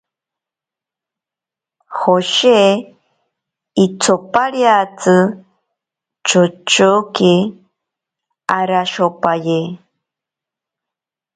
Joshe ichopiriatsi chochoke arashopaye.